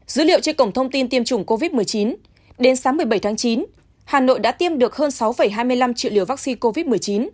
dữ liệu trên cổng thông tin tiêm chủng covid một mươi chín đến sáng một mươi bảy tháng chín hà nội đã tiêm được hơn sáu hai mươi năm triệu liều vaccine covid một mươi chín